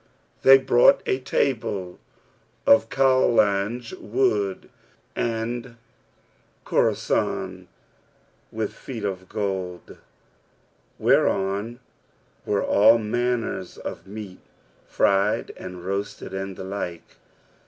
They brought a table of Khalanj wood of Khorasan with feet of gold, whereon were all manners of meats, fried and roasted and the like.